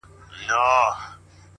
ستا لېونۍ خندا او زما له عشقه ډکه ژړا_